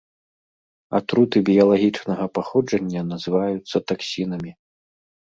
Атруты біялагічнага паходжання называюцца таксінамі.